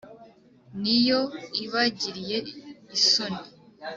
N’iyo ibagiriye isoni